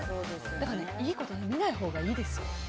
だから見ないほうがいいですよ。